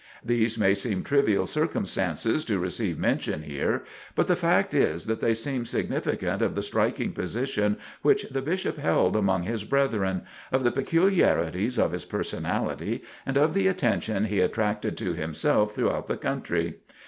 These may seem trivial circumstances to receive mention here, but the fact is that they seem significant of the striking position which the Bishop held among his brethren, of the peculiarities of his personality, and of the attention he attracted to himself throughout the country.